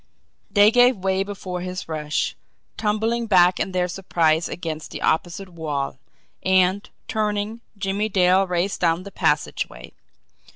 They gave way before his rush, tumbling back in their surprise against the opposite wall; and, turning, Jimmie Dale raced down the passageway.